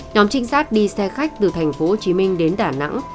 nhóm trinh sát đi xe khách từ tp hcm đến đà nẵng